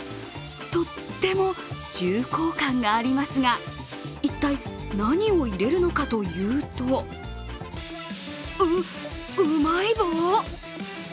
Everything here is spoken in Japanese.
とっても重厚感がありますが一体何を入れるのかというとううまい棒！？